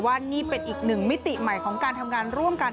ว่านี่เป็นอีกหนึ่งมิติใหม่ของการทำงานร่วมกัน